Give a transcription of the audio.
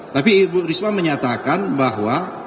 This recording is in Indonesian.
tapi ibu risma menyatakan bahwa